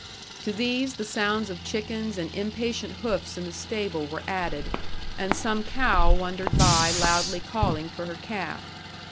To these the sounds of chickens and impatient hoofs in the stable were added, and some cow wandered by loudly calling for her calf.